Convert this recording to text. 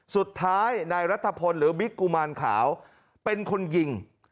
สุดท้ายนายรัฐพลหรือบิ๊กกุมารขาวเป็นคนยิง